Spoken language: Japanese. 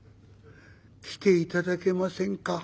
「来て頂けませんか」。